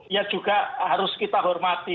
ya juga harus kita hormati